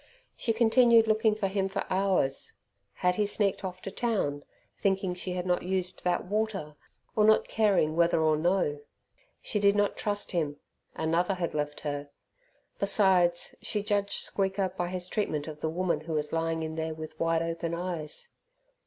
She continued looking for him for hours. Had he sneaked off to town, thinking she had not used that water, or not caring whether or no? She did not trust him; another had left her. Besides she judged Squeaker by his treatment of the woman who was lying in there with wide open eyes.